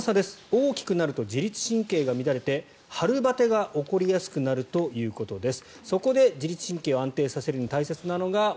大きくなると自律神経が乱れて春バテが起こりやすくなるということです。